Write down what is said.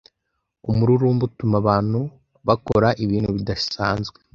Umururumba utuma abantu bakora ibintu bidasanzwe.